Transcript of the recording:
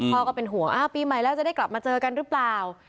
ก็เป็นห่วงปีใหม่แล้วจะได้กลับมาเจอกันหรือเปล่า